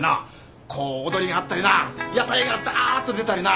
こう踊りがあったりな屋台がダーっと出たりな。